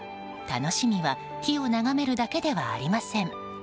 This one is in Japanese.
楽しみは火を眺めるだけではありません。